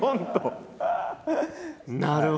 なるほど！